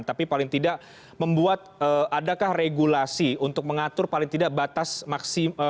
tapi paling tidak membuat adakah regulasi untuk mengatur paling tidak batas maksimal